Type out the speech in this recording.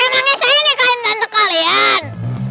emang disini kain tante kalian